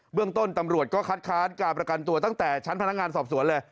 เรื่องต้นตำรวจก็คัดค้านการประกันตัวตั้งแต่ชั้นพนักงานสอบสวนเลย